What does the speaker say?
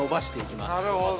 ◆なるほど。